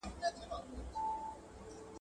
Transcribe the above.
څېړونکی د خپلو تجربو پایلي په احتیاط سره څېړي.